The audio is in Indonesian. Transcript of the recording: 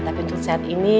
tapi untuk saat ini